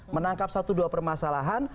menangkap satu dua permasalahan